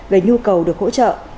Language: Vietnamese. về nhu cầu được hỗ trợ